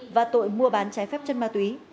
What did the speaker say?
và tội mua bán trái phép chất ma túy